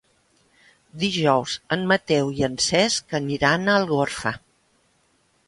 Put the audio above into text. Dijous en Mateu i en Cesc aniran a Algorfa.